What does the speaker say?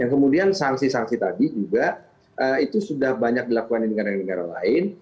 kemudian sanksi sanksi tadi juga itu sudah banyak dilakukan di negara negara lain